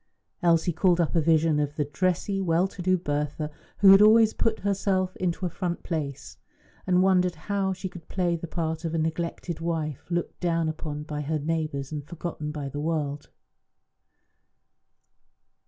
Elsie called up a vision of the dressy, well to do Bertha, who had always put herself into a front place, and wondered how she could play the part of a neglected wife, looked down upon by her neighbours and forgotten by the world?